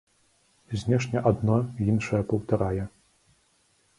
Знешне адно іншае паўтарае.